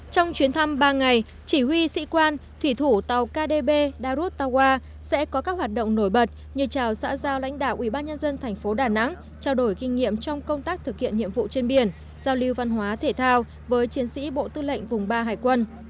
trong chuyến thăm ba ngày chỉ huy sĩ quan thủy thủ tàu kdb darustawa sẽ có các hoạt động nổi bật như chào xã giao lãnh đạo ubnd tp đà nẵng trao đổi kinh nghiệm trong công tác thực hiện nhiệm vụ trên biển giao lưu văn hóa thể thao với chiến sĩ bộ tư lệnh vùng ba hải quân